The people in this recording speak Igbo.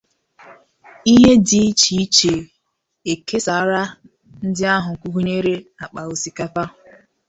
Ihe dị iche iche e kesààrà ndị ahụ gụnyèrè àkpà osikapa